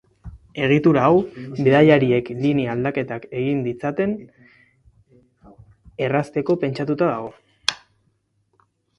Egitura hau bidaiariek linea aldaketak egin ditzaten errazteko pentsatuta dago.